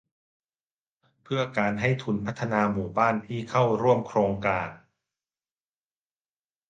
เพื่อการให้ทุนพัฒนาหมู่บ้านที่เข้าร่วมโครงการ